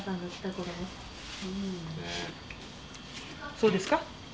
そうですか？